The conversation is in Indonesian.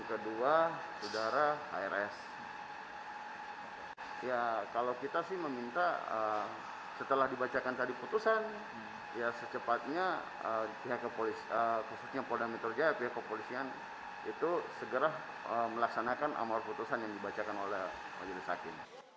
itu segera melaksanakan amal putusan yang dibacakan oleh pak jendral sakin